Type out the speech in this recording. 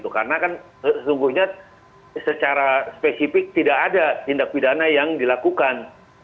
karena kan sesungguhnya secara spesifik tidak ada tindak pidana yang dilakukan